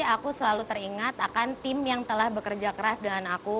aku selalu teringat akan tim yang telah bekerja keras dengan aku